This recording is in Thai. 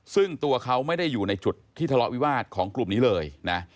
ซึ่งตัวเขาไม่ได้อยู่ในจุดที่ทะเลาะวิวาสของกลุ่มนี้เลยนะ